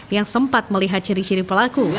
yang sempat melihat ciri ciri pelaku